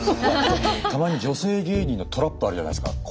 たまに女性芸人のトラップあるじゃないですか。